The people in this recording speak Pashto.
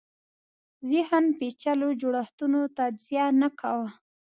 ذهن پېچلو جوړښتونو تجزیه نه کاوه